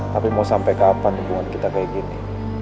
tapi mau sampai kapan hubungan kita kayak gini